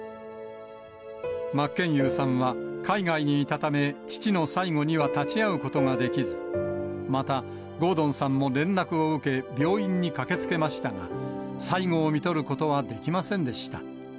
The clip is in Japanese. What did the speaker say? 真剣佑さんは、海外にいたため、父の最期には立ち会うことができず、また、郷敦さんも連絡を受け、病院に駆けつけましたが、最期をみとることはできませんでした。